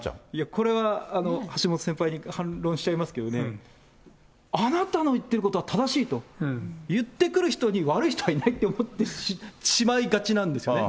これは橋本先輩に反論しちゃいますけど、あなたの言ってることは正しいと言ってくる人に悪い人はいないと思ってしまいがちなんですよね。